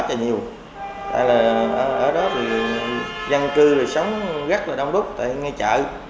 nó dưỡng nhiều quá trời nhiều tại là ở đó thì dân cư sống rất là đông đúc tại ngay chợ